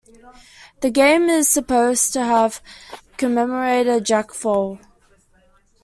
The game is supposed to have commemorated Jack Foll.